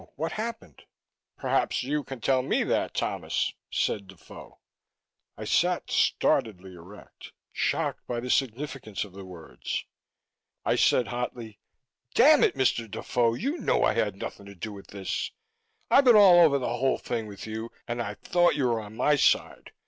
What happened?" "Perhaps you can tell me that, Thomas," said Defoe. I sat startledly erect, shocked by the significance of the words. I said hotly, "Damn it, Mr. Defoe, you know I had nothing to do with this! I've been all over the whole thing with you and I thought you were on my side!